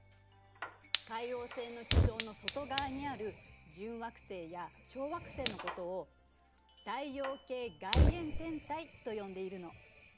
海王星の軌道の外側にある準惑星や小惑星のことをと呼んでいるの。